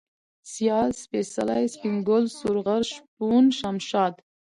سيال ، سپېڅلى ، سپين گل ، سورغر ، شپون ، شمشاد